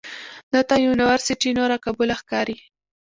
ده ته یونورسټي نوره قبوله ښکاري.